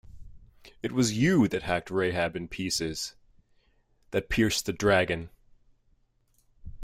It was you that hacked Rahab in pieces, that pierced the Dragon!